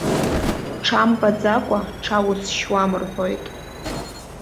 Ҽа мбакәа ҽа узшьуам рҳәоит.